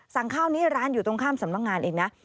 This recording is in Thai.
สั่งข้าวนี้ร้านอยู่ตรงข้ามสำนักงานเองนะ